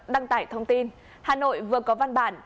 đăng tải thông tin hà nội vừa có văn bản